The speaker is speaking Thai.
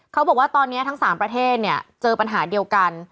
เขาบอกว่าตอนนี้ทั้ง๓ประเทศเนี่ยเจอปัญหาเดียวกัน